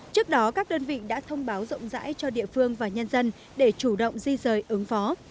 trước đó các đơn vị đã thông báo rộng rãi cho địa phương và nhân dân để chủ động di rời ứng phó